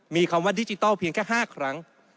มีคำว่าดิจิทัลเพียงแค่๕ครั้ง